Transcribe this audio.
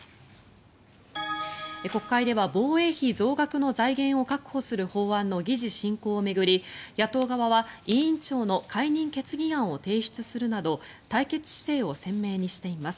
国会では防衛費増額の財源を確保する法案の議事進行を巡り野党側は委員長の解任決議案を提出するなど対決姿勢を鮮明にしています。